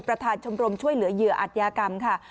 ประธานชมรมช่วยเหลือเหยื่ออัตยากรรมค่ะ